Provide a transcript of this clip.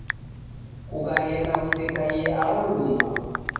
Kukaghenda kusekaie aho luma